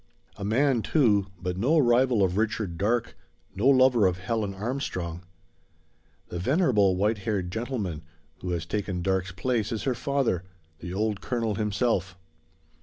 A man, too; but no rival of Richard Darke no lover of Helen Armstrong. The venerable white haired gentleman, who has taken Darke's place, is her father, the old colonel himself.